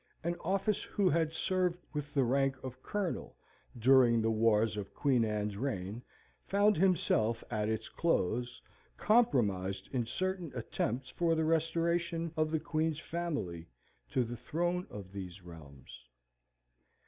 an office who had served with the rank of Colonel during the wars of Queen Anne's reign, found himself, at its close, compromised in certain attempts for the restoration of the Queen's family to the throne of these realms.